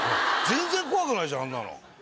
全然怖くないじゃんあんなの。